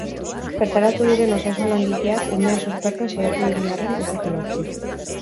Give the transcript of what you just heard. Bertaratu diren osasun langileak umea suspertzen saiatu diren arren, ez dute lortu.